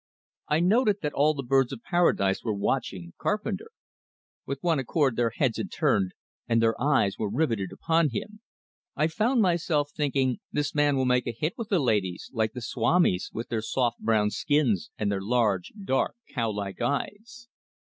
I noted that all the birds of paradise were watching Carpenter. With one accord their heads had turned, and their eyes were riveted upon him. I found myself thinking. "This man will make a hit with the ladies!" Like the swamis, with their soft brown skins, and their large, dark, cow like eyes!